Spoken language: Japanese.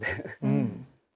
うん。